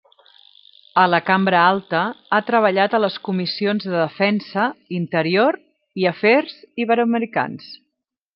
A la cambra alta ha treballat a les comissions de defensa, interior i afers iberoamericans.